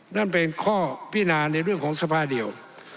นั่นเป็นข้อพินาในเรื่องของสภาเดียว